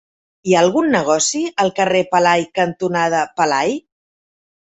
Hi ha algun negoci al carrer Pelai cantonada Pelai?